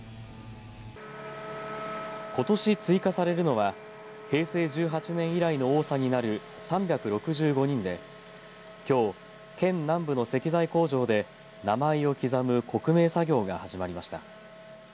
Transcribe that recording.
ことし追加されるのは平成１８年以来の多さになる３６５人できょう、県南部の石材工場で名前を刻む刻銘作業が始まりました。